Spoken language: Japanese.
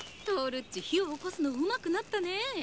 トオルっちひをおこすのうまくなったね。